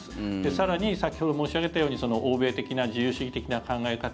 更に、先ほど申し上げたように欧米的な、自由主義的な考え方